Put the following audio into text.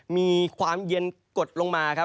มีความเย็นกดลงมา